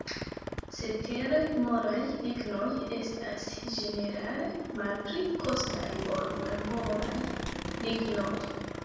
Cetere, molaj lignoj estas ĝenerale malpli kostaj ol malmolaj lignoj.